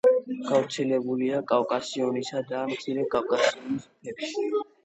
გავრცელებულია კავკასიონისა და მცირე კავკასიონის მთებში.